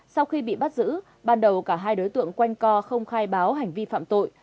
sau khi bị bắt giữ ban đầu cả hai đối tượng quanh co không khai báo hành vi phạm tội